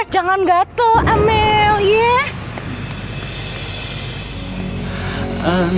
jangan gatel amel yee